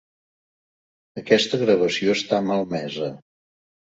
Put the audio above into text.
Aquesta gravació està malmesa.